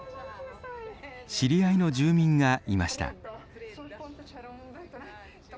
知り合いの住民がいました。